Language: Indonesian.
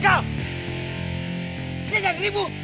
kita gak beribu